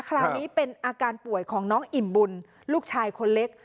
คราวนี้เป็นอาการป่วยของน้องอิ่มบุญลูกชายคนเล็ก